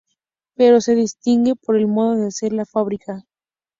Pero se distingue por el modo de hacer la fábrica.